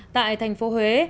tại thành phố huế